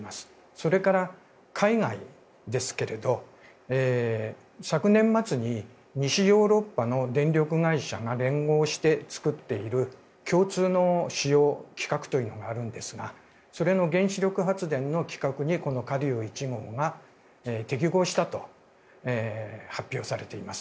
それから、海外ですが昨年末に西ヨーロッパの電力会社が連合して作っている共通の仕様規格というものがあるんですがそれの原子力発電の規格にこの華竜１号が適合したと発表されています。